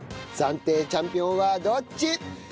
暫定チャンピオンはどっち！？